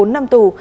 bốn năm tù